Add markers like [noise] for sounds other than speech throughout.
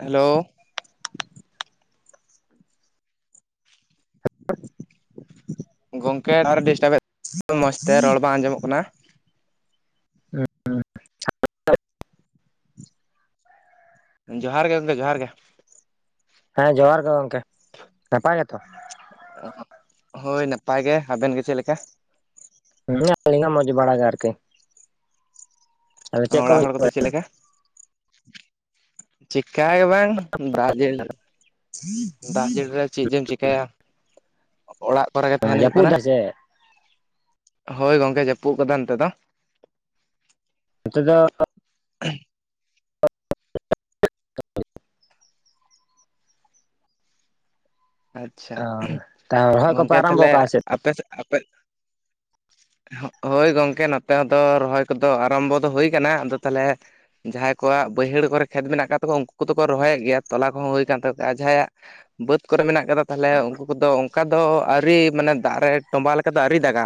Hello. ᱜᱚᱝᱠᱮ [unintelligible] disturbed ᱢᱚᱡᱽᱛᱮ ᱨᱚᱲ ᱵᱟᱝ ᱟᱸᱡᱚᱢᱚᱜ ᱠᱟᱱᱟ᱾ ᱦᱩᱸ ᱦᱩᱸ ᱡᱚᱦᱟᱨ ᱜᱮ ᱜᱚᱝᱠᱮ ᱡᱚᱦᱟᱨ ᱜᱮ᱾ ᱦᱮᱸ ᱡᱚᱦᱟᱨ ᱜᱮ ᱜᱚᱝᱠᱮ ᱱᱟᱯᱟᱭ ᱜᱮᱛᱚ᱾ ᱦᱳᱭ ᱱᱟᱯᱟᱭ ᱜᱮ, ᱟᱵᱮᱱ ᱜᱮ ᱪᱮᱫ ᱞᱮᱠᱟ᱾ ᱦᱮᱸ ᱟᱞᱤᱧ ᱦᱚᱸ ᱢᱚᱸᱡᱽ ᱵᱟᱲᱟᱜᱮ ᱟᱹᱨᱠᱤ᱾ ᱚᱲᱟᱜ ᱦᱚᱲ ᱠᱚᱫᱚ ᱪᱮᱫ ᱞᱮᱠᱟ [inaudible] ᱪᱮᱠᱟ ᱜᱮ ᱵᱟᱝ ᱫᱟᱜ ᱡᱮ ᱫᱟᱜ ᱡᱮᱞ ᱨᱮ᱾ ᱪᱮᱫ ᱡᱮᱢ ᱪᱤᱠᱟᱹᱭᱟ, ᱚᱲᱟᱜ ᱠᱚᱨᱮ ᱜᱮ ᱛᱟᱦᱮᱸᱱ ᱦᱩᱭᱩᱜ ᱡᱟᱹᱯᱩᱫ ᱠᱟᱱᱟ᱾ ᱫᱟᱭ ᱥᱮ ᱦᱳᱭ ᱜᱚᱝᱠᱮ ᱡᱟᱹᱯᱩᱫ ᱠᱟᱫᱟᱭ ᱱᱚᱛᱮ ᱫᱚ᱾ ᱦᱤᱛᱚᱜ ᱫᱚ ᱟᱪᱪᱷᱟ ᱚ [inaudible] ᱨᱚᱦᱚᱭ ᱠᱚᱯᱮ ᱜᱚᱝᱠᱮ ᱟᱨᱟᱢᱵᱚ ᱛᱟᱦᱚᱸᱞᱮ ᱠᱟᱜᱼᱟ ᱥᱮ ᱟᱯᱮ ᱥᱮᱫ ᱟᱯᱮ ᱦᱳᱭ ᱜᱚᱝᱠᱮ ᱱᱚᱛᱮ ᱦᱚᱸ ᱫᱚ ᱨᱚᱦᱚᱭ ᱠᱚᱫᱚ ᱟᱨᱟᱢᱵᱚ ᱫᱚ ᱦᱩᱭ ᱠᱟᱱᱟ ᱟᱫᱚ ᱛᱟᱦᱚᱸᱞᱮ᱾ ᱡᱟᱦᱟᱸᱭ ᱠᱚᱣᱟᱜ ᱵᱟᱹᱭᱦᱟᱹᱲ ᱠᱚᱨᱮ ᱠᱷᱮᱛ ᱢᱮᱱᱟᱜ ᱟᱠᱟᱫ ᱛᱟᱠᱚᱣᱟ ᱩᱱᱠᱩ ᱠᱚᱫᱚ ᱠᱚ ᱨᱚᱦᱚᱭᱮᱫ ᱜᱮᱭᱟ ᱛᱚᱞᱟ ᱠᱚᱦᱚᱸ ᱦᱩᱭ ᱠᱟᱱ ᱛᱟᱠᱚᱣᱟ ᱟᱨ ᱡᱟᱦᱟᱸᱭᱟᱜ ᱵᱟ. ᱫ ᱠᱚᱨᱮ ᱢᱮᱱᱟᱜ ᱠᱟᱫᱟ ᱛᱟᱦᱚᱞᱮ ᱩᱱᱠᱩ ᱠᱚᱫᱚ ᱚᱱᱠᱟ ᱫᱚ ᱟᱹᱣᱨᱤ ᱢᱟᱱᱮ ᱫᱟᱜ ᱨᱮ ᱛᱚᱸᱵᱟ ᱞᱮᱠᱟ ᱫᱚ ᱟᱹᱣᱨᱤ ᱫᱟᱜᱼᱟ᱾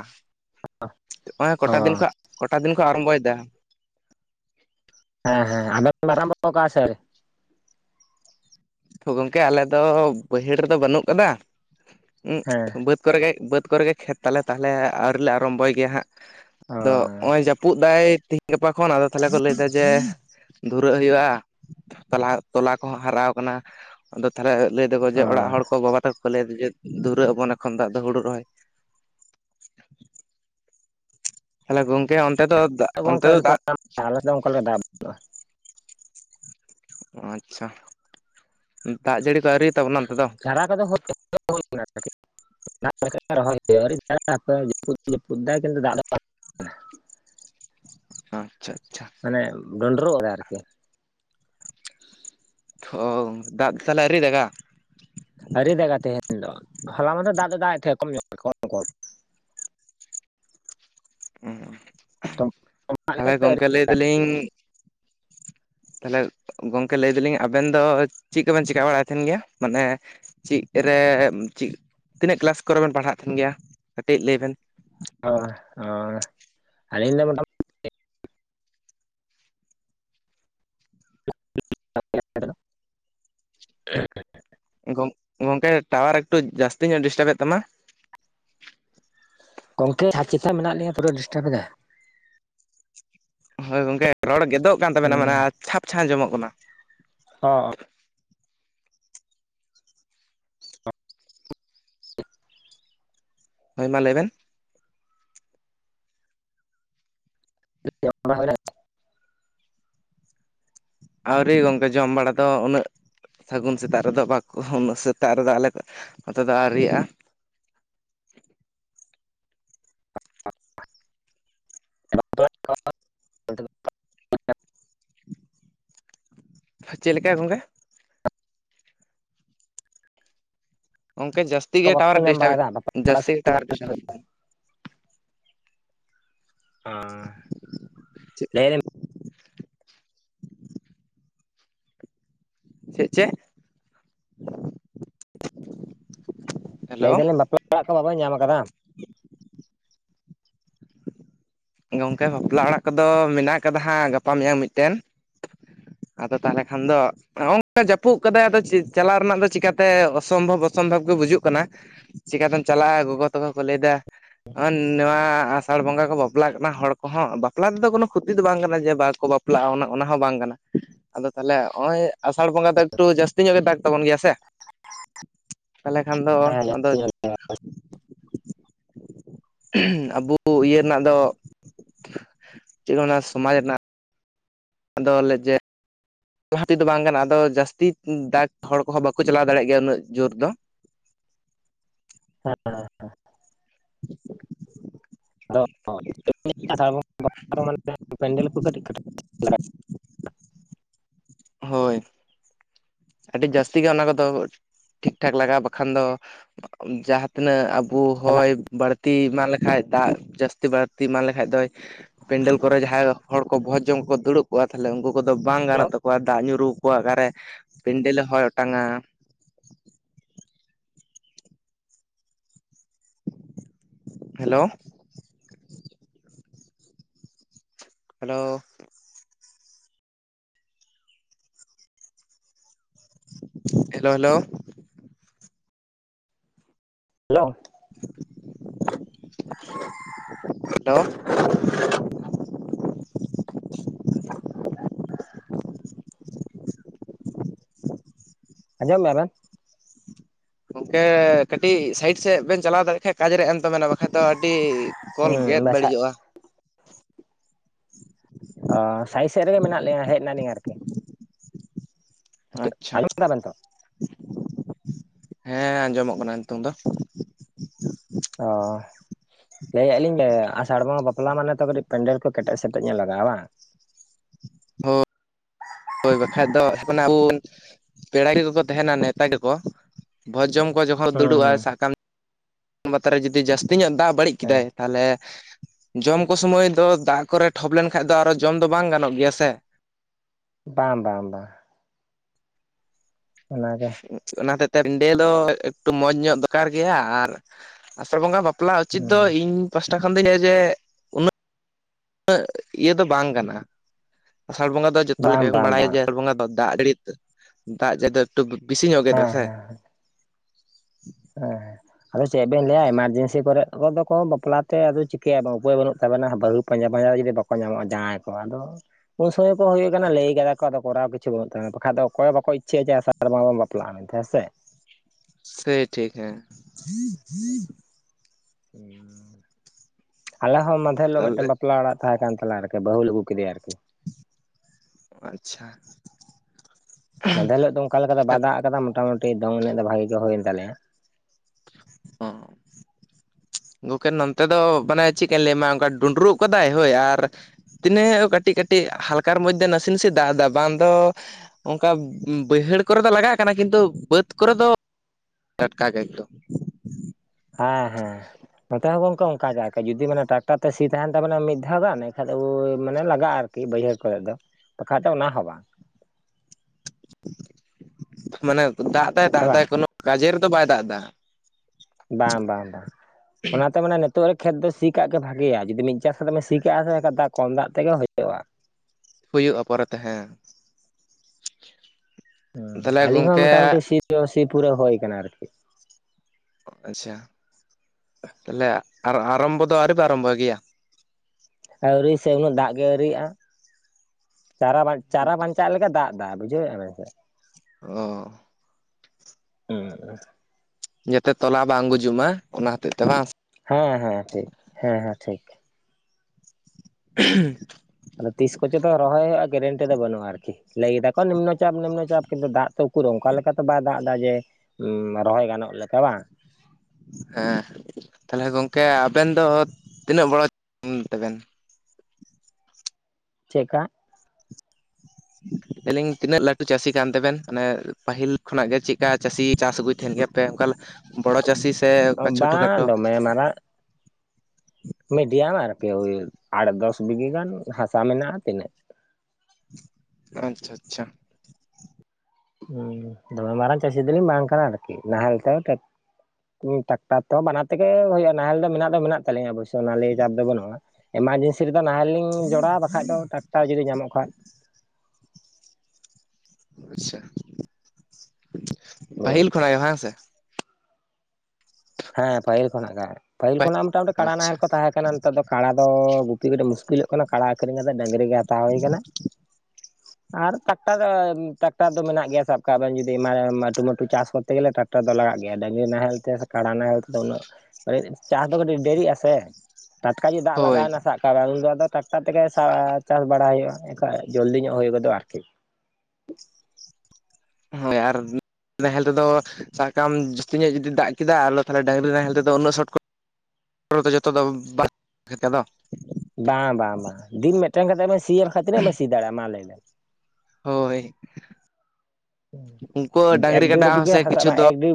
ᱦᱚᱸᱜᱼᱚᱭ ᱚ ᱠᱚᱴᱟ ᱫᱤᱱ ᱠᱷᱚᱡ, ᱠᱚᱴᱟ ᱫᱤᱱ ᱠᱷᱚᱡ ᱟᱨᱟᱢᱵᱚᱭᱮᱫᱟ᱾ ᱦᱮᱸ ᱦᱮᱸ [inaudible] ᱟᱢ ᱟᱨᱟᱢᱵᱚ ᱟᱠᱟᱫ ᱥᱮ ᱜᱚᱝᱠᱮ ᱟᱞᱮ ᱫᱚ ᱵᱟᱹᱭᱦᱟᱹᱲ ᱨᱮᱫᱚ ᱵᱟᱹᱱᱩᱜ ᱟᱠᱟᱫᱟ ᱦᱮᱸ ᱵᱟᱹᱫᱽ ᱵᱟᱹᱫᱽ ᱠᱚᱨᱮᱜᱮ ᱵᱟᱹᱫᱽ ᱠᱚᱨᱮ ᱜᱮ ᱠᱷᱮᱛ ᱛᱟᱞᱮ ᱛᱟᱦᱚᱞᱮ ᱟᱹᱣᱨᱤ ᱞᱮ ᱟᱨᱚᱢᱵᱚᱭ ᱜᱮᱭᱟ ᱦᱟᱸᱜ᱾ ᱚ ᱟᱫᱚ ᱱᱚᱜᱼᱚᱭ ᱡᱟᱹᱯᱩᱫ ᱫᱟᱭ ᱛᱤᱦᱤᱧ ᱜᱟᱯᱟ ᱠᱷᱚᱱ ᱟᱫᱚ ᱛᱟᱞᱦᱮ ᱠᱚ ᱞᱟᱹᱭᱫᱟ ᱡᱮᱹ᱾ ᱫᱷᱩᱨᱟᱹᱜ ᱦᱩᱭᱩᱜᱼᱟ ᱛᱚᱞᱟ ᱛᱚᱞᱟ ᱠᱚᱦᱚᱸ ᱦᱟᱨᱟ ᱠᱟᱱᱟ ᱟᱫᱚ ᱛᱟᱦᱞᱮ᱾ ᱞᱟᱹᱭ ᱮᱫᱟᱠᱚ ᱡᱮᱹ ᱚ ᱚᱲᱟᱜ ᱦᱚᱲ ᱠᱚ ᱵᱟᱵᱟ ᱛᱟᱠᱚ ᱠᱚ ᱞᱟᱹᱭ ᱮᱫᱟ ᱡᱮᱹ ᱫᱷᱩᱨᱟᱹᱜ ᱟᱵᱚᱱ ᱮᱠᱷᱚᱱ ᱫᱟᱜ ᱫᱚ ᱦᱩᱲᱩ ᱨᱚᱦᱚᱭ᱾ ᱛᱟᱦᱞᱮ ᱜᱚᱝᱠᱮ ᱚᱱᱛᱮ ᱫᱚ ᱫᱟᱜ ᱚᱱᱛᱮ ᱜᱚᱝᱠᱮ ᱫᱚ ᱟᱹᱣᱨᱤ ᱠᱚ ᱫᱟᱜ [unintelligible] ᱟᱪᱪᱷᱟ ᱫᱟᱜ ᱡᱟᱹᱲᱤ ᱠᱚ ᱟᱹᱣᱨᱤᱭ ᱛᱟᱵᱚᱱᱟ ᱚᱱᱛᱮ ᱫᱚ᱾ ᱪᱟᱨᱟ ᱠᱚᱫᱚ [inaudible] ᱦᱩᱭ [unintelligible] ᱟᱪᱪᱷᱟ ᱟᱪᱪᱷᱟ ᱢᱟᱱᱮ ᱰᱚᱸᱰᱨᱚᱜ ᱫᱟᱭ ᱟᱹᱨᱠᱤ ᱚ ᱫᱟᱜ ᱫᱚ ᱛᱟᱦᱞᱮ ᱟᱹᱣᱨᱤ ᱫᱟᱜᱼᱟ᱾ ᱟᱹᱨᱤ ᱫᱟᱜᱟᱭ ᱛᱟᱦᱮᱧ ᱫᱚ ᱦᱚᱞᱟ ᱢᱟᱫᱷᱮᱨ ᱫᱟᱜ ᱫᱚ ᱫᱟᱜ ᱮ ᱛᱟᱦᱮᱸ ᱠᱚᱢ ᱧᱚᱜ᱾ ᱠᱚᱢ ᱠᱚᱢ ᱛᱚ ᱫᱟᱜ ᱞᱮᱠᱟ ᱛᱟᱦᱚᱞᱮ ᱫᱚ ᱟᱹᱣᱨᱤ ᱜᱚᱝᱠᱮ ᱞᱟᱹᱭ ᱫᱟᱞᱤᱧ ᱛᱟᱦᱞᱮ ᱜᱚᱝᱠᱮ ᱞᱟᱹᱭ ᱫᱟᱞᱤᱧ ᱟᱵᱮᱱ ᱫᱚ ᱪᱮᱫ ᱠᱚᱵᱮᱱ ᱪᱤᱠᱟᱹ ᱵᱟᱲᱟᱭ ᱛᱟᱦᱮᱱ ᱜᱮᱭᱟ ᱢᱟᱱᱮ᱾ ᱪᱮᱫ ᱨᱮ ᱛᱤᱱᱟᱹᱜ ᱠᱞᱟᱥ ᱠᱚᱨᱮ ᱵᱮᱱ ᱯᱟᱲᱦᱟᱜ ᱛᱟᱦᱮᱱ ᱜᱮᱭᱟ ᱠᱟᱹᱴᱤᱡ ᱞᱟᱹᱭ ᱵᱮᱱ ᱟᱸ ᱦᱮᱸ ᱟᱞᱤᱧ ᱫᱚ [unintelligible] ᱜᱚᱝᱠᱮ ᱴᱟᱣᱟᱨ ᱮᱠᱴᱩ ᱡᱟᱹᱥᱛᱤ ᱧᱚᱜ ᱰᱤᱥᱴᱟᱨᱵ ᱮᱫ ᱛᱟᱢᱟ᱾ ᱜᱚᱝᱠᱮ ᱪᱷᱟᱸᱛ ᱪᱮᱛᱟᱱᱨᱮ ᱢᱮᱱᱟᱜ ᱞᱤᱧᱟ ᱯᱩᱨᱟᱹ ᱰᱤᱥᱴᱟᱨᱵ ᱮᱫᱟ᱾ ᱦᱳᱭ ᱜᱚᱝᱠᱮ ᱨᱚᱲ ᱜᱮᱫᱚᱜ ᱠᱟᱱ ᱛᱟᱵᱮᱱᱟ ᱢᱟᱱᱮ ᱪᱷᱟᱯ ᱪᱷᱟᱯ ᱟᱸᱡᱚᱢᱚᱜ ᱠᱟᱱᱟ᱾ ᱚ ᱦᱳᱭ ᱢᱟ ᱞᱟᱹᱭ ᱵᱮᱱ [unintelligible] ᱟᱹᱣᱨᱤ ᱜᱚᱝᱠᱮ ᱡᱚᱢ ᱵᱟᱲᱟ ᱫᱚ ᱩᱱᱟᱹᱜ ᱥᱟᱹᱜᱩᱱ ᱥᱮᱛᱟᱜ ᱨᱮᱫᱚ ᱵᱟᱠᱚ [inaudible] ᱩᱱᱟᱹᱜ ᱥᱮᱛᱟᱜ ᱨᱮᱫᱚ ᱟᱞᱮ ᱠᱚ ᱱᱚᱛᱮ ᱫᱚ ᱟᱹᱣᱨᱤᱭᱟᱜᱼᱟ [unintelligible] ᱪᱮᱫ ᱞᱮᱠᱟ ᱜᱚᱝᱠᱮ ᱜᱚᱢᱠᱮ ᱡᱟᱹᱥᱛᱤ ᱠᱚ ᱜᱮ ᱴᱟᱣᱟᱨ ᱵᱟᱯᱮ ᱧᱟᱢ ᱰᱤᱥᱴᱟᱨᱵ ᱵᱟᱲᱟᱭᱮᱫᱟ ᱵᱟᱯᱞᱟ [inaudible] ᱚᱲᱟᱜ? ᱡᱟᱹᱥᱛᱤ ᱜᱮ ᱴᱟᱣᱟᱨ‌ ᱮ ᱰᱤᱥᱴᱟᱨᱵ ᱚ ᱪᱮᱫ ᱞᱟᱹᱭ ᱪᱮᱫ ᱪᱮᱫ ᱞᱟᱹᱭ ᱦᱮᱞᱳ ᱮᱫᱟᱞᱤᱧ ᱵᱟᱯᱞᱟ ᱚᱲᱟᱜ [inaudible] ᱠᱚ ᱵᱟᱵᱮᱱ ᱧᱟᱢ ᱠᱟᱫᱟ ᱜᱚᱢᱠᱮ ᱵᱟᱯᱞᱟ ᱚᱲᱟᱜ ᱠᱚᱫᱚ ᱢᱮᱱᱟᱜ ᱠᱟᱫᱟ ᱦᱟᱸᱜ ᱜᱟᱯᱟ ᱢᱮᱭᱟᱝ ᱢᱤᱫᱴᱮᱱ ᱟᱫᱚ ᱛᱟᱦᱚᱞᱮ ᱠᱷᱟᱱ ᱫᱚ ᱱᱚᱜᱼᱠᱟ ᱡᱟᱹᱯᱩᱫ ᱠᱟᱫᱟᱭ ᱟᱫᱚ ᱪᱟᱞᱟᱣ ᱨᱮᱱᱟᱜ ᱫᱚ ᱪᱤᱠᱟᱹᱛᱮ ᱚᱥᱚᱢᱵᱷᱚᱵ ᱚᱥᱚᱢᱵᱷᱚᱵ ᱜᱮ ᱵᱩᱡᱷᱟᱹᱜ ᱠᱟᱱᱟ᱾ ᱪᱤᱠᱟᱹᱛᱮᱢ ᱪᱟᱞᱟᱜᱼᱟ ᱜᱚᱜᱚ ᱛᱟᱠᱚ ᱠᱚ ᱞᱟᱹᱭ ᱮᱫᱟ ᱱᱚᱣᱟ ᱟᱥᱟᱲ ᱵᱚᱸᱜᱟ ᱠᱚ ᱵᱟ ᱵᱟᱯᱞᱟᱜ ᱠᱟᱱᱟ ᱦᱚᱲ ᱠᱚᱦᱚᱸ, ᱵᱟᱯᱞᱟ ᱛᱮᱫᱚ ᱠᱳᱱᱳ ᱠᱷᱚᱛᱤ ᱫᱚ ᱵᱟᱝ ᱠᱟᱱᱟ ᱡᱮᱹ ᱵᱟᱠᱚ ᱵᱟᱯᱞᱟᱜᱼᱟ ᱚᱱᱟ ᱚᱱᱟ ᱦᱚᱸ ᱵᱟᱝ ᱠᱟᱱᱟ᱾ ᱟᱫᱚ ᱛᱟᱦᱞᱮ ᱱᱚᱜᱼᱚᱭ ᱟᱥᱟᱲ ᱵᱚᱸᱜᱟ ᱫᱚ ᱮᱠᱴᱩ ᱡᱟᱹᱥᱛᱤ ᱧᱚᱜ ᱜᱮ ᱫᱟᱜ ᱛᱟᱵᱚᱱ ᱜᱮᱭᱟ ᱥᱮ᱾ ᱛᱟᱦᱚᱞᱮ ᱠᱷᱟᱱ ᱫᱚ ᱟᱫᱚ ᱡᱟᱹᱥᱛᱤ ᱟᱵᱚ ᱤᱭᱟᱹ ᱨᱮᱱᱟᱜ ᱫᱚ ᱾ ᱪᱮᱫ ᱚᱱᱟ ᱥᱚᱢᱟᱡ ᱨᱮᱱᱟᱜ ᱾ ᱟᱫᱚ ᱞ [inaudible] ᱡᱮ ᱾ ᱞᱟᱦᱟ ᱛᱮ ᱫᱚ ᱵᱟᱝ ᱠᱟᱱᱟ ᱟᱫᱚ ᱡᱟᱹᱥᱛᱤ ᱫᱟᱜ ᱦᱚᱲ ᱠᱚᱦᱚᱸ ᱵᱟᱠᱚ ᱪᱟᱞᱟᱣ ᱫᱟᱲᱮᱭᱟᱜ ᱜᱮᱭᱟ ᱩᱱᱟᱹᱜ ᱡᱳᱨ ᱫᱚ ᱾ ᱦᱮᱸᱮᱸ [inaudible] ᱟᱫᱚ [inaudible] ᱯᱮᱱᱰᱮᱞ ᱠᱚ ᱠᱟᱹᱴᱤᱡ ᱠᱟᱹᱴᱤᱡ ᱾ [inaudible] ᱦᱳᱭ, ᱟᱹᱰᱤ ᱡᱟᱹᱥᱛᱤ ᱜᱮ ᱚᱱᱟ ᱠᱚᱫᱚ ᱴᱷᱤᱠ ᱴᱷᱟᱠ ᱞᱟᱜᱟᱜᱼᱟ ᱵᱟᱠᱷᱟᱱ ᱫᱚ, ᱡᱟᱦᱟᱸ ᱛᱤᱱᱟᱹᱜ ᱟᱵᱚ, ᱩ ᱪᱟᱵᱟᱜ᱾ ᱦᱚᱭ ᱵᱟᱹᱲᱛᱤ ᱮᱢᱟᱱ ᱞᱮᱠᱷᱟᱱ ᱫᱟᱜ ᱡᱟᱹᱥᱛᱤ ᱵᱟᱹᱲᱛᱤ ᱮᱢᱟᱱ ᱞᱮᱠᱟᱱᱡ ᱫᱚᱭ ᱯᱮᱱᱰᱮᱞ ᱠᱚᱨᱮ ᱡᱟᱦᱟᱸᱭ ᱦᱚᱲ ᱠᱚ ᱵᱷᱚᱦᱡᱽ ᱡᱚᱝ ᱠᱚᱠᱚ ᱫᱩᱲᱩᱵ ᱠᱚᱼᱟ ᱛᱟᱦᱚᱞᱮ ᱩᱱᱠᱩ ᱠᱚᱫᱚ ᱵᱟᱝ ᱦᱮᱞᱳ ᱜᱟᱱᱚᱜ ᱛᱟᱠᱚ ᱫᱟᱜ ᱧᱩᱨᱩ ᱟᱠ ᱠᱚᱣᱟ ᱚᱠᱟᱨᱮ ᱯᱤᱸᱰᱮᱞᱮ ᱦᱚᱭ ᱚᱴᱟᱝᱼᱟ ᱾ Hello, hello, hello hello, hello, hello, ᱟᱸᱡᱚᱢ ᱢᱮᱼᱟ ᱵᱮᱱ? ᱜᱚᱝᱠᱮ ᱠᱟᱹᱴᱤᱡ ᱥᱟᱭᱤᱰ ᱥᱮᱫ ᱵᱮᱱ ᱪᱟᱞᱟᱣ ᱫᱟᱲᱮᱭᱟᱜ ᱠᱷᱟᱱᱡ ᱠᱟᱡ ᱨᱮ ᱮᱢ ᱛᱵᱮᱱᱟ ᱵᱟᱠᱷᱟᱡ ᱫᱚ ᱟᱹᱰᱤ ᱠᱚᱞ ᱦᱩᱸ ᱜᱮᱫ ᱵᱟᱪᱷᱟ ᱵᱟᱹᱲᱤᱡᱚᱜᱼᱟ ᱾ ᱚᱻ ᱥᱟᱭ ᱥᱮᱫ ᱨᱮᱜᱮ ᱢᱮᱱᱟᱜ ᱞᱤᱧᱟᱹ ᱦᱮᱡ ᱱᱟᱞᱤᱧᱟ ᱟᱨᱠᱤ ᱾ ᱟᱪᱪᱷᱟ ᱟᱸᱡᱚᱢ ᱫᱟᱵᱮᱱ ᱛᱚ ᱦᱮᱸ ᱟᱸᱡᱚᱢᱚᱜ ᱠᱟᱱᱟ ᱱᱤᱛᱚᱝ ᱫᱚ ᱾ ᱚᱻ ᱞᱟᱹᱭ ᱮᱜᱟ ᱞᱤᱧ ᱟᱥᱟᱲ ᱵᱚᱸᱜᱟ ᱵᱟᱯᱞᱟ ᱢᱟᱱᱮ ᱛᱚ ᱠᱟᱹᱴᱤᱡ ᱯᱮᱱᱰᱮᱞ ᱠᱚ ᱠᱮᱴᱮᱡ ᱥᱮᱴᱮᱡ ᱧᱚᱜ ᱞᱟᱜᱟᱼᱟ ᱵᱟᱝ? ᱦᱚ ᱦᱳᱭ ᱵᱟᱠᱷᱟᱡ ᱫᱚ ᱟᱵᱚ ᱯᱮᱲᱟ ᱜᱮᱠᱚ ᱠᱚ ᱛᱟᱦᱮᱱᱟ ᱱᱮᱛᱟ ᱜᱮᱠᱚ ᱾ ᱵᱷᱚᱡᱽ ᱡᱚᱢ ᱠᱚ ᱡᱚᱠᱷᱚᱱ ᱦᱩᱸ ᱫᱩᱲᱩᱵ ᱟᱭ ᱦᱩᱸ ᱥᱟᱵ ᱠᱟᱜ ᱢᱮᱛᱟᱨ ᱨᱮ ᱡᱩᱫᱤ ᱡᱟᱹᱥᱛᱤ ᱧᱚᱜ ᱫᱟᱜ ᱵᱟᱹᱲᱤᱡ ᱦᱮᱸ ᱠᱮᱫᱟᱭ ᱛᱟᱦᱚᱞᱮ ᱡᱚᱢ ᱠᱚ ᱥᱚᱢᱚᱭ ᱫᱚ ᱫᱟᱜ ᱠᱚᱨᱮ ᱴᱷᱚᱯ ᱞᱮᱱᱠᱷᱟᱱ ᱫᱚ ᱟᱨᱚ ᱡᱚᱢ ᱫᱚ ᱵᱟᱝ ᱜᱟᱱᱚᱜ ᱜᱮᱭᱟ ᱥᱮ ᱾ ᱵᱟᱝ ᱵᱟᱝ ᱵᱟᱝ ᱾ ᱚᱱᱟᱜᱮ ᱾ ᱚᱱᱟ ᱦᱚᱛᱮᱡ ᱛᱮ ᱱᱸᱰᱮ ᱫᱚ ᱮᱠᱴᱩ ᱢᱚᱸᱡᱽ ᱧᱚᱜ ᱫᱚᱨᱠᱟᱨ ᱜᱮᱭᱟ ᱟᱨ ᱟᱥᱟᱲ ᱵᱚᱸᱜᱟ ᱵᱟᱯ ᱵᱟᱯᱞᱟ ᱩᱪᱤᱛ ᱫᱚ ᱦᱩᱸ ᱤᱧ ᱯᱟᱥᱴᱟ ᱠᱷᱚᱱ ᱫᱚᱧ ᱡᱮ ᱩᱱᱟᱹᱜ ᱤᱭᱟᱹ ᱫᱚ ᱵᱟᱝ ᱠᱟᱱᱟ ᱟᱥᱟᱲ ᱵᱚᱸᱜᱟ ᱫᱚ ᱡᱚᱛᱚ ᱞᱮᱠᱟ ᱵᱟᱝ ᱜᱮᱢ ᱵᱟᱝ ᱵᱟᱲᱟᱭᱟ ᱵᱟᱝ ᱡᱮ ᱵᱚᱸᱜᱟ ᱫᱚ ᱫᱟᱜ ᱡᱟᱹᱲᱤ ᱫᱟᱜ ᱡᱟᱹ ᱫᱚ ᱮᱠᱴᱩ ᱵᱤᱥᱤ ᱧᱚᱜ ᱜᱮ ᱦᱮᱸ ᱥᱮ ᱦᱮᱸ ᱾ ᱦᱮᱸ ᱾ ᱟᱫᱚ ᱪᱮᱫ ᱵᱮᱱ ᱞᱟᱹᱭᱟ ᱮᱢᱟᱨᱡᱮᱱᱥᱤ ᱠᱚᱨᱮ ᱠᱚᱫᱚ ᱠᱚ ᱵᱟᱯᱞᱟ ᱛᱮ ᱪᱤᱠᱟᱹᱭᱟ ᱩᱯᱟᱹᱭ ᱵᱟᱹᱱᱩᱜ ᱛᱟᱵᱮᱱᱟ ᱵᱟᱹᱦᱩ ᱯᱟᱸᱡᱟ ᱯᱟᱸᱡᱟ ᱡᱩᱫᱤ ᱵᱟᱠᱚ ᱧᱟᱢᱚᱜᱼᱟ ᱡᱟᱶᱟᱭ ᱠᱚ ᱟᱫᱚ ᱩᱱᱥᱚᱢᱚᱭ ᱠᱚ ᱦ ᱦᱩᱭᱩᱜ ᱠᱟᱱᱟ ᱞᱟᱹᱭᱫᱟ ᱠᱚ ᱟᱫᱚ ᱠᱚᱨᱟᱣ ᱠᱤᱪᱷᱩ ᱵᱟᱹᱱᱩᱜᱟᱱᱟ ᱵᱟᱠᱷᱟᱱ ᱫᱚ ᱚᱠᱚᱭ ᱦᱚᱸ ᱵᱟᱠᱚ ᱤᱪᱷᱭᱟ ᱡᱮ ᱥᱮ ᱥᱟᱨᱢᱟ ᱵᱟᱯᱞᱟᱜᱼᱟ ᱾ ᱮᱱᱛᱷᱮ ᱥᱮ? ᱥᱮᱭ ᱴᱷᱤᱠ ᱦᱮᱸ ᱦᱸ ᱦᱮᱸ [unintelligible] ᱦᱮᱸ ᱾ ᱟᱞᱮ ᱦᱚᱸ ᱢᱟᱫᱷᱮᱨ ᱦᱤᱞᱳᱜ ᱢᱤᱫᱴ ᱛᱟᱦᱚᱞᱮ ᱵᱟᱯᱞᱟᱲᱟᱜ ᱛᱟᱦᱮᱸ ᱠᱟᱱ ᱛᱟᱞᱮ ᱟᱨᱠᱤ ᱵᱟᱹᱦᱩ ᱞᱮ ᱟᱹᱜᱩ ᱠᱮᱫᱮᱭᱟ ᱟᱨᱠᱤ ᱾ ᱟᱪᱪᱷᱟ ᱾ ᱢᱟᱱᱫᱷᱮᱨ ᱦᱤᱞᱳᱜ ᱫᱚ ᱚᱱᱠᱟ ᱞᱮᱠᱟ ᱫᱚ ᱵᱟᱭ ᱫᱟᱜ ᱟᱠᱟᱫᱟ ᱢᱚᱴᱟᱢᱩᱴᱤ ᱫᱚᱝ ᱮᱱᱮᱡ ᱫᱚ ᱵᱷᱟᱜᱮ ᱜᱮ ᱦᱩᱭᱮᱱ ᱛᱟᱞᱮᱭᱟ ᱾ ᱦᱚᱸ ᱾ ᱜᱚᱝᱠᱮ ᱱᱚᱱᱛᱮ ᱫᱚ ᱢᱟᱱᱮ ᱪᱮᱫ ᱠᱟᱹᱧ ᱞᱟᱹᱭᱟᱢᱟ ᱚᱱᱠᱟ ᱰᱩᱸᱰᱨᱩᱜ ᱠᱟᱫᱟᱭ ᱦᱳᱭ ᱟᱨ ᱛᱤᱱᱟᱹᱜ ᱠᱟᱹᱴᱤᱡ ᱠᱟᱹᱴᱤᱡ ᱦᱟᱞᱠᱟᱨ ᱢᱚᱫᱽᱷᱮ ᱱᱟᱥᱮ ᱱᱟᱥᱮ ᱫᱟᱜ ᱮᱫᱟ ᱵᱟᱝ ᱫᱚ ᱚᱱᱠᱟ ᱵᱟᱹᱭᱦᱟᱹᱲ ᱠᱚᱨᱮ ᱫᱚ ᱞᱟᱜᱟᱜ ᱠᱟᱱᱟ ᱠᱤᱱᱛᱩ ᱵᱟᱹᱫ ᱠᱚᱨᱮ ᱫᱚ ᱴᱟᱴᱠᱟ ᱜᱮ ᱮᱠᱫᱚ ᱾ ᱦᱟᱸ ᱦᱮᱸ ᱾ ᱱᱚᱛᱮ ᱦᱚᱸ ᱜᱚᱝᱠᱮ ᱚᱱᱠᱟᱜᱮ ᱟᱨᱠᱤ ᱡᱩᱫᱤ ᱢᱟᱱᱮ ᱴᱨᱟᱠᱴᱟᱨ ᱛᱮ ᱥᱤ ᱛᱟᱦᱮᱱ ᱛᱟᱵᱮᱱᱟ ᱢᱤᱫ ᱫᱷᱟᱣ ᱜᱟᱱ ᱮᱱᱠᱷᱟᱡ ᱳᱭ ᱢᱟᱱᱮ ᱞᱟᱜᱟᱜᱼᱟ ᱟᱨ ᱠᱤ ᱵᱟᱹᱭᱦᱟᱹᱲ ᱠᱚᱨᱮ ᱫᱚ ᱵᱟᱠᱷᱟᱡ ᱫᱚ ᱚᱱᱟ ᱦᱚᱸ ᱵᱟᱝ ᱾ ᱢᱟᱱᱮ ᱫᱟᱜ ᱮᱫᱟ ᱦᱮᱸ ᱫᱟᱜ ᱮᱫᱟ ᱵᱟᱝ ᱠᱳᱱᱳ ᱠᱟᱡᱮ ᱨᱮᱫᱚ ᱵᱟᱭ ᱫᱟᱜ ᱮᱫᱟ ᱾ ᱵᱟᱝ ᱵᱟᱝ ᱵᱟᱝ ᱚᱱᱟᱛᱮ ᱢᱟᱱᱮ ᱦᱤᱛᱚᱜ ᱨᱮ ᱠᱷᱮᱛ ᱫᱚ ᱥᱤ ᱠᱟᱜ ᱜᱮ ᱵᱷᱟᱜᱮᱭᱟ ᱡᱩᱫᱤ ᱢᱤᱫ ᱪᱟᱥ ᱨᱮᱢᱮ ᱥᱤ ᱠᱟᱜᱼᱟ ᱥᱮ ᱮᱱᱠᱷᱟᱜ ᱫᱟᱜ ᱠᱚᱢ ᱫᱟᱜ ᱛᱮᱜᱮ ᱦᱩᱭᱩᱜᱼᱟ ᱾ ᱦᱩᱭᱩᱜᱼᱟ ᱯᱚᱨᱮᱛᱮ ᱦᱮᱸ ᱾ ᱦᱩᱸ ᱛᱟᱦᱚᱞᱮ ᱟᱹᱞᱤᱧ ᱦᱚᱸ ᱜᱚᱝᱠᱮ ᱢᱚᱴᱟᱢᱩᱴᱤ ᱥᱤ ᱫᱚ ᱥᱤ ᱯᱩᱨᱟᱹ ᱦᱩᱭ ᱠᱟᱱᱟ ᱟᱨᱠᱤ ᱾ ᱟᱪᱪᱷᱟ, ᱛᱟᱦᱚᱞᱮ ᱟᱨᱟ-ᱟᱨᱟᱢᱵᱚ ᱫᱚ ᱟᱨᱣᱨᱤ ᱯᱮ ᱟᱨᱟᱢᱵᱚ ᱜᱮᱭᱟ? ᱟᱹᱣᱨᱤ ᱥᱮ ᱩᱱᱟᱹᱜ ᱫᱟᱜ ᱜᱮ ᱟᱹᱣᱨᱤᱭᱜᱼᱟ ᱪᱟᱨᱟ ᱵᱟᱸ ᱪᱟᱨᱟ ᱵᱟᱧᱪᱟᱜ ᱞᱮᱠᱟ ᱫᱟᱜ ᱫᱟᱜ ᱵᱩᱡᱷᱟᱹᱣᱮᱜᱼᱟ ᱵᱮᱱ ᱛᱚ ᱾ ᱚ ᱾ ᱦᱩᱸ ᱾ ᱡᱟᱛᱮ ᱛᱚᱞᱟ ᱵᱟᱝ ᱜᱩᱡᱩᱜ ᱢᱟ ᱚᱱᱟ ᱦᱚᱛᱮᱡ ᱛᱮ ᱵᱟᱝ ᱦᱮᱸ ᱦᱮᱸ ᱴᱷᱤᱠ, ᱦᱮᱸ ᱦᱮᱸ ᱴᱷᱤᱠ ᱾ [inaudible] ᱟᱫᱚ ᱛᱤᱥ ᱠᱛᱚᱮᱪᱚ ᱨᱚᱦᱚᱭ ᱦᱩᱭᱩᱜᱼᱟ ᱜᱮᱨᱮᱱᱴᱤ ᱫᱚ ᱵᱟᱹᱱᱩᱜᱼᱟ ᱟᱨᱠᱤ, ᱞᱟᱹᱭ ᱫᱟᱠᱚ ᱱᱤᱢᱱᱚ ᱪᱟᱯ ᱱᱤᱢᱱᱚ ᱪᱟᱯ ᱠᱤᱱᱛᱩ ᱫᱟᱜ ᱛᱚ ᱩᱠᱩᱨ ᱚᱝᱠᱟ ᱞᱮᱠᱟ ᱛᱚ ᱵᱟᱭ ᱫᱟᱜ ᱮᱫᱟ ᱡᱮ ᱨᱚᱦᱚᱭ ᱜᱟᱱᱚᱜ ᱞᱮᱠᱟ ᱵᱟᱝ! ᱦᱮᱸ ᱛᱟᱦᱚᱞᱮ ᱜᱚᱝᱠᱮ ᱟᱵᱮᱱ ᱫᱚ ᱛᱤᱱᱟᱹᱜ ᱵᱚᱲᱚ [inaudible] ᱛᱮᱵᱮᱱ? ᱪᱮᱜᱠᱟ? ᱞᱮᱭᱫᱟᱹᱞᱤᱝ ᱛᱤᱱᱟᱹᱜ ᱞᱟᱹᱴᱩ ᱪᱟᱹᱥᱤ ᱠᱟᱱ ᱛᱮᱵᱮᱱ ᱚᱱᱮ ᱯᱟᱹᱦᱤᱞ ᱠᱷᱚᱱᱟᱜ ᱜᱮ ᱪᱤᱜ ᱠᱟ ᱪᱟᱹᱥᱤ ᱪᱟᱥ ᱟᱹᱜᱩᱭ ᱛᱟᱦᱮᱱ ᱜᱮᱭᱟ ᱯᱮ ᱚᱱᱠᱟ ᱵᱚᱲᱚ ᱪᱟᱹᱥᱤ ᱥᱮ ᱚᱱᱠᱟ ᱪᱷᱳᱴᱚ ᱠᱷᱟᱴᱚ? ᱦᱮᱸ ᱢᱟᱨᱟᱜ ᱢᱤᱰᱤᱭᱟᱢ ᱟᱨᱠᱤ ᱳᱭ ᱟᱴ ᱫᱚᱥ ᱵᱤᱜᱷᱟ ᱜᱟᱱ ᱦᱟᱥᱟ ᱢᱮᱱᱟᱜᱼᱟ, ᱛᱤᱱᱟᱹᱜ! ᱟᱪᱪᱷᱟ ᱟᱪᱪᱷᱟ ᱾ ᱦᱩᱸ ᱫᱚᱢᱮ ᱢᱟᱨᱟᱝ ᱪᱟᱹᱥᱤ ᱫᱚᱞᱤᱧ ᱵᱟᱝ ᱠᱟᱱᱟ ᱟᱨᱠᱤ ᱱᱟᱦᱮᱞ ᱛᱮᱦᱚᱸ ᱩᱸ ᱴᱟᱠᱴᱟᱨ ᱛᱮᱦᱚᱸ ᱵᱟᱱᱟᱨ ᱛᱮᱜᱮ ᱦᱩᱭᱩᱜᱼᱟ ᱱᱟᱦᱮᱞ ᱫᱚ ᱢᱮᱱᱟᱜ ᱫᱚ ᱢᱮᱱᱟᱜ ᱛᱟᱞᱤᱧᱟ ᱚᱵᱚᱥ ᱚᱱᱟ ᱞᱤᱭᱮ ᱪᱟᱯ ᱫᱚ ᱵᱟᱹᱱᱩᱜᱼᱟ ᱾ ᱮᱢᱟᱨᱡᱮᱱᱥᱤ ᱨᱮᱫᱚ ᱱᱟᱦᱮᱞ ᱞᱤᱧ ᱡᱚᱲᱟᱣᱟ ᱵᱟᱠᱟᱡ ᱫᱚ ᱴᱟᱠᱴᱟᱨ ᱡᱩᱫᱤ ᱧᱟᱢᱚᱜ ᱠᱷᱟᱡ ᱾ ᱟᱪᱪᱷᱟ, ᱵᱩᱡᱽ ᱯᱟᱹᱦᱤᱞ ᱠᱷᱚᱱᱟᱜ ᱜᱮ ᱵᱟᱝ ᱥᱮ! ᱦᱮᱸ ᱯᱟᱹᱦᱤᱞ ᱠᱷᱚᱱᱟᱜ ᱜᱮ, ᱯᱟᱹᱦᱤᱞ ᱵᱟᱝ ᱥᱮ ᱠᱷᱚᱱᱟᱜ ᱢᱚᱴᱟᱢᱩᱴᱤ ᱠᱟᱲᱟ ᱟᱪᱪᱷᱟ ᱱᱟᱦᱮᱞ ᱠᱚ ᱛᱟᱦᱮᱸ ᱠᱟᱱᱟ ᱾ ᱱᱮᱛᱟᱨ ᱫᱚ ᱠᱟᱲᱟ ᱫᱚ ᱜᱩᱯᱤ ᱠᱟᱹᱴᱤᱡ ᱢᱩᱥᱠᱤᱞᱚᱜ ᱠᱟᱱᱟ ᱠᱟᱲᱟ ᱟᱹᱠᱷᱨᱤᱧ ᱠᱟᱛᱮᱫ ᱰᱟᱹᱝᱨᱤ ᱜᱮ ᱦᱟᱛᱟᱣ ᱦᱩᱭ ᱠᱟᱱᱟ ᱾ ᱟᱨ ᱴᱨᱟᱠᱴᱟᱨ ᱴᱨᱟᱠᱴᱟᱨ ᱫᱚ ᱢᱮᱱᱟᱜ ᱜᱮᱭᱟ ᱥᱟᱵ ᱠᱟᱜ ᱵᱮᱱ ᱡᱩᱫᱤ ᱮᱢᱟ ᱟᱴᱩᱢᱟᱴᱩ ᱪᱟᱥ ᱠᱚᱨᱛᱮ ᱜᱮᱞᱮ ᱴᱟᱠ ᱴᱟᱨ ᱫᱚ ᱞᱟᱜᱟᱜ ᱜᱮᱭᱟ ᱰᱟᱹᱝᱨᱤ ᱱᱟᱦᱮᱞ ᱛᱮ ᱠᱟᱲᱟ ᱱᱟᱦᱮᱞ ᱛᱮᱫᱚ ᱩᱱᱟᱹᱜ ᱪᱟᱥ ᱫᱚ ᱠᱟᱹᱴᱤᱡ ᱰᱮᱨᱤᱜᱼᱟ ᱥᱮ ᱴᱟᱴᱠᱟ ᱡᱩᱫᱤ ᱫᱟᱜ ᱦᱳᱭ ᱞᱟᱜᱟᱣᱮᱱᱟ ᱥᱟᱠ [unintelligible] ᱩᱱ ᱫᱚ ᱟᱫᱚ ᱴᱟᱠᱴᱟᱨ ᱛᱮᱜᱮ ᱥᱟ ᱪᱟᱥ ᱵᱟᱲᱟ ᱦᱩᱭᱩᱜᱼᱟ ᱮᱠᱟ ᱡᱚᱞᱫᱤ ᱧᱚᱜ ᱦᱩᱭ ᱜᱚᱫᱚᱜᱼᱟ ᱟᱨᱠᱤ ᱾ ᱦᱮᱸ ᱟᱨ ᱱᱟᱦᱮᱞ ᱛᱮᱫᱚ ᱥᱟᱠᱼᱟᱢ ᱡᱟᱹᱥᱛᱤ ᱧᱚᱜ ᱡᱩᱫᱤ ᱫᱟᱜ ᱠᱮᱫᱟ ᱟᱞᱚ ᱛᱟᱦᱚᱞᱮ ᱰᱟᱝᱨᱤ ᱱᱟᱦᱮᱞ ᱛᱮᱫᱚ ᱩᱱᱟᱹᱜ ᱥᱚᱴ ᱠᱚ ᱠᱚᱨᱮ ᱫᱚ ᱡᱚᱛᱚ ᱫᱚ [unintelligible] ᱵᱟᱝ ᱵᱟᱝ ᱵᱟᱝ ᱫᱤᱱ ᱢᱤᱫᱴᱟᱝ ᱠᱟᱛᱮ ᱥᱤᱭᱟ ᱵᱟᱠᱷᱟᱡ ᱛᱤᱱᱟᱹᱜ ᱵᱮᱱ ᱥᱤ ᱫᱟᱲᱮᱭᱟᱜᱼᱟ ᱢᱟ ᱞᱟᱹᱭ ᱵᱮᱱ! ᱦᱳᱭ, ᱩᱝᱠᱩ ᱦᱚᱸ ᱮᱠ ᱰᱟᱝᱨᱤ ᱰᱮᱲ ᱠᱟᱰᱟ ᱦᱚᱸ ᱵᱤᱜᱷᱟᱹ ᱥᱮ ᱦᱟᱥᱟ ᱠᱤᱪᱷᱩ ᱵᱟᱝ ᱫᱚ ᱮᱠ ᱰᱮᱲ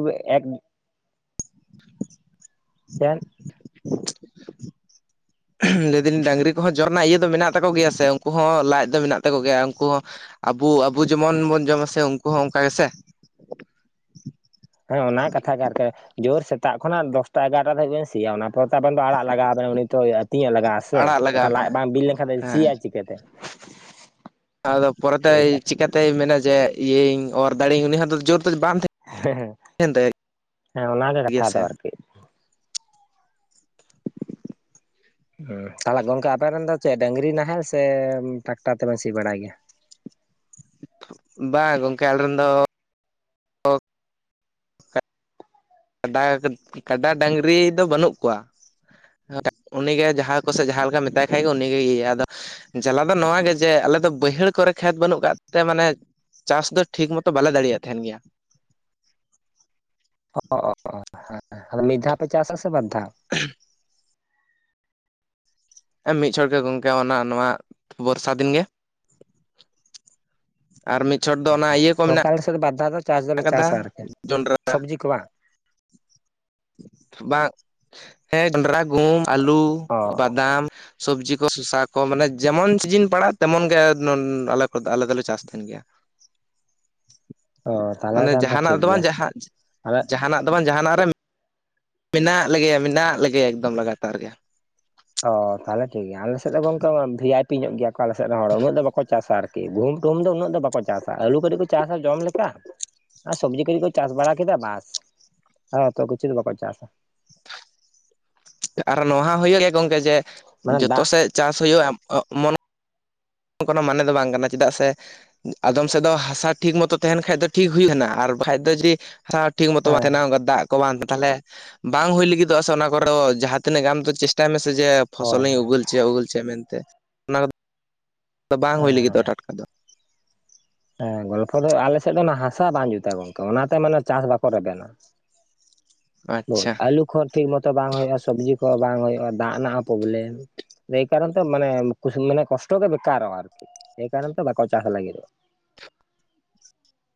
ᱪᱮᱫ? [unintelligible] ᱞᱟᱹᱭ ᱫᱟᱞᱤᱧ ᱰᱟᱹᱝᱨᱤ ᱠᱚᱦᱚᱸ ᱡᱚᱨ ᱨᱮᱱᱟᱜ ᱤᱭᱟᱹ ᱫᱚ ᱢᱮᱱᱟᱜ ᱛᱟᱠᱚ ᱜᱮᱭᱟ ᱥᱮ, ᱩᱝᱠᱩ ᱦᱚᱸ ᱞᱟᱡ ᱫᱚ ᱢᱮᱱᱟᱜ ᱛᱟᱠᱚ ᱜᱮᱭᱟ, ᱩᱱᱠᱩ ᱦᱚᱸ ᱟᱵᱩ ᱟᱵᱩ ᱡᱮᱢᱚᱱ ᱵᱚᱱ ᱡᱚᱢᱟ ᱥᱮ ᱩᱝᱠᱩ ᱦᱚᱸ ᱚᱝᱠᱟ ᱜᱮᱥᱮ᱾ ᱦᱮᱸ ᱚᱱᱟ ᱠᱟᱛᱷᱟ ᱜᱮ ᱟᱨᱠᱤ, ᱡᱳᱨ ᱥᱮᱛᱟᱜ ᱠᱷᱚᱱᱟᱜ ᱫᱚᱥᱴᱟ, ᱮᱜᱟᱨᱴᱟ ᱫᱷᱟᱹᱵᱤᱡ ᱵᱮᱱ ᱥᱤᱭᱟ ᱚᱱᱟ [unintelligible] ᱫᱚ ᱟᱲᱟᱜ ᱞᱟᱜᱟᱜᱼᱟ ᱟᱵᱮᱱ ᱦᱚᱸ ᱩᱱᱤ ᱛᱚ ᱟᱹᱛᱤᱧᱮ ᱞᱟᱜᱟᱜᱼᱟ ᱥᱮ ᱟᱲᱟᱜ ᱞᱟᱜᱟᱣ ᱵᱟᱠᱷᱟᱱ ᱢᱮ ᱞᱟᱡ ᱵᱟᱝ ᱵᱤ ᱞᱮᱝᱠᱷᱟᱱ ᱫᱚ ᱦᱮᱸ ᱥᱤᱭᱟ ᱪᱤᱠᱟᱹᱛᱮ᱾ ᱟᱫᱚ ᱯᱚᱨᱮᱛᱮᱭ ᱦᱮᱸ ᱪᱤᱠᱟᱛᱮᱭ ᱢᱮᱱᱟ ᱡᱮ ᱤᱭᱟᱹᱭᱟᱹᱧ ᱚᱨ ᱫᱟᱲᱮᱭᱟᱹᱧ ᱩᱱᱤ ᱦᱚᱸ ᱛᱚ ᱡᱳᱨ ᱫᱚ ᱵᱟᱝ ᱛᱟᱦᱮᱸ ᱦᱮᱸ, ᱦᱮᱸ ᱚᱱᱟᱜᱮ ᱜᱮᱭᱟ ᱠᱟᱛᱷᱟ ᱫᱚ ᱥᱮ ᱟᱨᱠᱤ᱾ ᱦᱩᱸ ᱛᱟᱦᱚᱞᱮ ᱜᱚᱝᱠᱮ ᱟᱵᱮᱱ ᱨᱮᱱ ᱫᱚ ᱪᱮᱫ ᱰᱟᱝᱨᱤ ᱱᱟᱦᱮᱞ ᱥᱮ ᱴᱨᱟᱠᱴᱟᱨ ᱛᱮᱵᱮᱱ ᱥᱤ ᱵᱟᱲᱟᱭ ᱜᱮᱭᱟ? ᱵᱟ ᱜᱚᱝᱠᱮ ᱟᱞ ᱨᱮᱱ ᱫᱚ ᱠᱟᱰᱟ, ᱠᱟᱰᱟ, ᱰᱟᱹᱝᱨᱤ ᱫᱚ ᱵᱟᱹᱱᱩᱜ ᱠᱚᱣᱟ᱾ [inaudible] ᱩᱱᱤ ᱜᱮ ᱡᱟᱦᱟᱸ ᱠᱚ ᱥᱮᱜ ᱡᱟᱦᱟᱸ ᱞᱮᱠᱟᱢ ᱢᱮᱛᱟᱭ ᱠᱷᱟᱡ ᱜᱮ ᱩᱱᱤ ᱜᱮ ᱤᱭᱟᱹᱭᱟ, ᱟᱫᱚ ᱡᱟᱞᱟ ᱫᱚ ᱱᱚᱣᱟ ᱜᱮ ᱡᱮ ᱟᱞᱮ ᱫᱚ ᱵᱟᱹᱭᱦᱟᱹᱲ ᱠᱚᱨᱮ ᱠᱷᱮᱛ ᱵᱟᱹᱱᱩᱜ ᱠᱟᱫ ᱛᱮ ᱢᱟᱱᱮ ᱪᱟᱥ ᱫᱚ ᱴᱷᱤᱠ ᱢᱚᱛᱚ ᱵᱟᱞᱮ ᱫᱟᱲᱮᱭᱟᱜ ᱛᱟᱦᱮᱸᱱ ᱜᱮᱭᱟ᱾ ᱚᱻ ᱦᱮᱸ ᱟᱫᱚ ᱢᱤᱫ ᱫᱷᱟᱣ ᱯᱮ ᱪᱟᱥᱟ ᱥᱮ ᱵᱟᱨ ᱫᱷᱟᱣ? [unintelligible] ᱮ ᱢᱤᱫ ᱪᱷᱚᱲ ᱜᱮ ᱜᱚᱝᱠᱮ ᱚᱱᱟ ᱱᱚᱣᱟ, ᱵᱚᱨᱥᱟ ᱫᱤᱱ ᱜᱮ᱾ ᱟᱨ ᱢᱤᱫ ᱪᱷᱚᱴ ᱫᱚ ᱚᱱᱟ ᱤᱭᱟᱹ ᱠᱚ ᱢᱮᱱᱟᱜ ᱜᱚᱝᱠᱮ ᱟᱞᱮ ᱥᱮᱫ ᱫᱚ ᱵᱟᱨᱫᱷᱟ ᱫᱚ ᱪᱟᱥ ᱫᱚᱞᱮ ᱪᱟᱥᱟ ᱟᱠᱟᱫᱟ ᱟᱨᱠᱤ, ᱡᱚᱱᱰᱨᱟ ᱥᱚᱵᱽᱡᱤ ᱠᱚ ᱵᱟᱝ? ᱵᱟᱝ ᱦᱮᱸ ᱡᱚᱱᱰᱨᱟ, ᱜᱩᱦᱩᱢ, ᱟᱞᱩ, ᱚ ᱵᱟᱫᱟᱢ, ᱥᱚᱵᱽᱡᱤ ᱠᱚ ᱥᱚᱥᱟ ᱠᱚ ᱢᱟᱱᱮ ᱡᱮᱢᱚᱱ ᱥᱤᱡᱤᱱ ᱯᱟᱲᱟᱜ-ᱟ ᱛᱮᱢᱚᱱ ᱜᱮ ᱟᱞᱮ ᱟᱞᱮ ᱫᱚᱞᱮ ᱪᱟᱥ ᱛᱟᱦᱮᱸᱱ ᱜᱮ ᱭᱟ᱾ ᱚ ᱛᱟᱦᱚᱞᱮ ᱢᱟᱱᱮ ᱠᱷᱟᱱ ᱡᱟᱦᱟᱸᱱᱟᱜ ᱴᱷᱤᱠ ᱫᱚ ᱜᱮᱭᱟ ᱵᱟᱝ ᱡᱟᱦᱟᱸ ᱟᱞᱮ ᱡᱟᱦᱟᱸᱱᱟᱜ ᱫᱚ ᱵᱟᱝ ᱡᱟᱦᱟᱸᱱᱟᱜ ᱨᱮ ᱢᱮᱱᱟᱜ ᱞᱮᱜᱮᱭᱟ ᱢᱮᱱᱟᱜ ᱞᱮᱜᱮᱭᱟ ᱮᱠᱫᱚᱢ ᱞᱟᱜᱟᱛᱟᱨ ᱜᱮ᱾ ᱚᱻ ᱛᱟᱦᱚᱞᱮ ᱴᱷᱤᱠ ᱜᱮᱭᱟ ᱟᱞᱮ ᱥᱮᱫ ᱫᱚ ᱜᱚᱝᱠᱮ ᱵᱷᱤ. ᱟᱭ. ᱯᱤ. ᱧᱚᱜ ᱜᱮᱭᱟ ᱠᱚ ᱟᱞᱮ ᱥᱮᱫ ᱨᱮᱱ ᱦᱚᱲ, ᱩᱱᱟᱹᱜ ᱫᱚ ᱵᱟᱠᱚ ᱪᱟᱥᱟ ᱟᱨ ᱠᱤ ᱜᱩᱦᱩᱢ ᱴᱩᱦᱩᱢ ᱫᱚ ᱩᱱᱟᱹᱜ ᱫᱚ ᱵᱟᱠᱚ ᱪᱟᱥᱟ ᱟᱹᱞᱩ ᱠᱟᱹᱴᱤᱡ ᱠᱚ ᱪᱟᱥᱟ ᱡᱚᱢ ᱞᱮᱠᱟ, ᱟᱨ ᱥᱚᱵᱽᱡᱤ ᱠᱚ ᱡᱩᱫᱤ ᱠᱚ ᱪᱟᱥ ᱵᱟᱲᱟ ᱠᱮᱫᱟ ᱵᱟᱥ, ᱟᱨ ᱚᱛᱚ ᱠᱤᱪᱷᱩ ᱫᱚ ᱵᱟᱠᱚ ᱪᱟᱥᱟ᱾ ᱟᱨ ᱱᱚᱣᱟ ᱦᱚᱸ ᱦᱩᱭᱩᱜ ᱜᱮᱭᱟ ᱜᱚᱝᱠᱮ ᱡᱮ, ᱢᱟᱱᱮ ᱡᱚᱛᱚ ᱫᱟᱜ ᱥᱮᱫ ᱪᱟᱥ ᱦᱩᱭᱩᱜᱼᱟ ᱮᱢᱚᱱ [inaudible] ᱠᱚᱱᱚ ᱢᱟᱱᱮ ᱫᱚ ᱵᱟᱝ ᱠᱟᱱᱟ ᱪᱮᱫᱟᱜ ᱥᱮ ᱟᱫᱚᱢ ᱥᱮᱫ ᱫᱚ ᱦᱟᱥᱟ ᱴᱷᱤᱠ ᱢᱚᱛᱚ ᱛᱟᱦᱮᱸᱱ ᱠᱷᱟᱡ ᱫᱚ ᱴᱷᱤᱠ ᱦᱩᱭ ᱞᱮᱱᱟ ᱟᱨ ᱵᱟᱠᱟᱡ ᱫᱚ ᱡᱮ ᱦᱟᱥᱟ ᱴᱷᱤᱠ ᱢᱚᱛᱚ ᱵᱟᱝ ᱦᱮᱸ ᱛᱟᱦᱮᱸᱱᱟ ᱚᱝᱠᱟ ᱫᱟᱜ ᱠᱚ ᱵᱟᱝ [inaudible] ᱛᱟᱦᱮᱞᱮ, ᱵᱟᱝ ᱦᱩᱭ ᱞᱟᱹᱜᱤᱫᱚᱜᱼᱟ ᱥᱮ ᱚᱱᱟ ᱠᱚᱨᱮ ᱫᱚ ᱡᱟᱦᱟᱸ ᱛᱤᱱᱟᱹᱜ ᱜᱮ ᱟᱢ ᱫᱚ ᱪᱮᱥ ᱴᱟᱭ ᱢᱮᱥᱮ ᱡᱮ ᱯᱷᱚᱥᱚᱞ ᱦᱳᱭ ᱤᱧ ᱩᱜᱟᱹᱞ ᱦᱚᱪᱚᱭᱟ ᱩᱜᱟᱹᱞ ᱦᱚᱪᱚᱭᱟ ᱢᱮᱱᱛᱮ᱾ ᱟᱫᱚ ᱵᱟᱝ ᱦᱩᱭ ᱞᱟᱹᱜᱤᱫᱚᱜᱼᱟ ᱦᱮᱸ ᱴᱟᱴᱠᱟ ᱫᱚ᱾ ᱦᱮᱸ ᱜᱚᱞᱯᱚ ᱫᱚ ᱟᱞᱮ ᱥᱮᱫ ᱫᱚ ᱚᱱᱟ ᱦᱟᱥᱟ ᱵᱟᱝ ᱡᱩᱛᱟ ᱜᱚᱝᱠᱮ ᱚᱱᱟᱛᱮ ᱢᱟᱱᱮ ᱪᱟᱥ ᱵᱟᱠᱚ ᱨᱮᱵᱮᱱᱟ᱾ ᱵᱩᱡᱷ ᱟᱪᱪᱷᱟ ᱟᱹᱞᱩ ᱠᱚᱦᱚᱸ ᱴᱷᱤᱠ ᱢᱚᱛᱚ ᱵᱟᱝ ᱦᱩᱭᱩᱜᱼᱟ ᱞ, ᱥᱚᱵᱽᱡᱤ ᱠᱚᱸ ᱦᱚᱸ ᱵᱟᱝ ᱦᱩᱭᱩᱜᱼᱟ, ᱫᱟᱜ ᱨᱮᱱᱟᱜ ᱦᱚᱸ ᱯᱨᱚᱵᱞᱮᱢ, ᱮᱭ ᱠᱟᱨᱚᱱ ᱛᱮ ᱢᱟᱱᱮ ᱢᱟᱱᱮ ᱠᱚᱥᱴᱚ ᱜᱮ ᱵᱮᱠᱟᱨ ᱨᱚᱜ-ᱟ ᱨᱟᱡᱤ, ᱮᱭ ᱠᱟᱨᱚᱱ ᱛᱮ ᱵᱟᱠᱚ ᱪᱟᱥ ᱞᱟᱹᱜᱤᱫᱚᱜ-ᱟ᱾